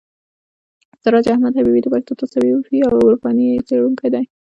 سراج احمد حبیبي د پښتو تصوفي او عرفاني ادبیاتو څېړونکی دی.